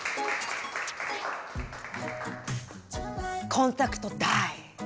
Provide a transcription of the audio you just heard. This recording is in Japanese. コンタクトダイ。